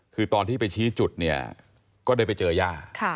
คือตอนที่ไปชี้จุดเนี่ยก็ได้ไปเจอย่า